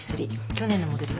去年のモデルよ。